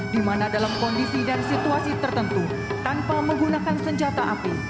di mana dalam kondisi dan situasi tertentu tanpa menggunakan senjata api